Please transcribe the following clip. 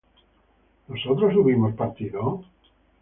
¿nosotros hubimos partido?